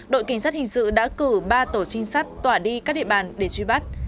đội cảnh sát hình sự đã cử ba tổ chính xác tỏa đi các địa bàn để truy bắt